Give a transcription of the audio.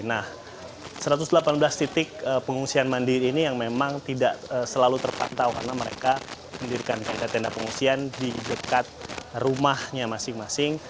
nah satu ratus delapan belas titik pengungsian mandiri ini yang memang tidak selalu terpantau karena mereka mendirikan tenda tenda pengungsian di dekat rumahnya masing masing